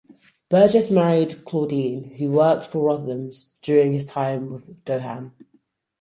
Burgess married Claudine who worked for Rothmans during his time with Doohan.